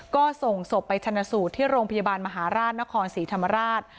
ก็ส่งศพไปชนะสูตรที่โรงพยาบาลมหาราชนครศรีธรรมราช